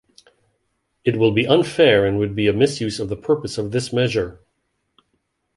It will be unfair and would be a misuse of the purpose of this measure.